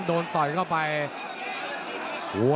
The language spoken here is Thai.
ตามต่อยกที่๓ครับ